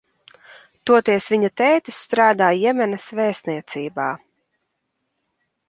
Toties viņa tētis strādā Jemenas vēstniecībā.